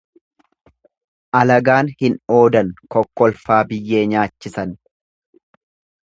Alagaan hin oodan kokkolfaa biyyee nyaachisan.